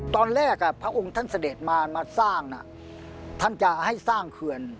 พระองค์ท่านเสด็จมามาสร้างน่ะท่านจะให้สร้างเขื่อน